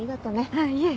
あっいえ。